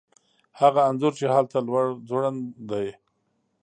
هغه انځور چې هلته لوړ ځوړند دی